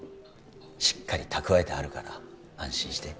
しっかり蓄えてあるから安心して